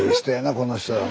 この人ら。